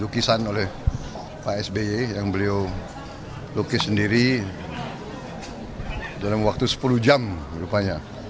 lukisan oleh pak sby yang beliau lukis sendiri dalam waktu sepuluh jam rupanya